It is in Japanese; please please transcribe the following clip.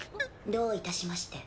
どういたしまして。